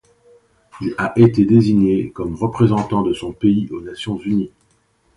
Il a été désigné comme représentant de son pays aux Nations unies.